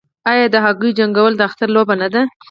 آیا د هګیو جنګول د اختر لوبه نه ده؟